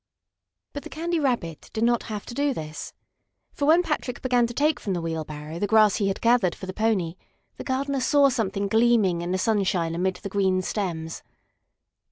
But the Candy Rabbit did not have to do this. For when Patrick began to take from the wheelbarrow the grass he had gathered for the pony, the gardener saw something gleaming in the sunshine amid the green stems.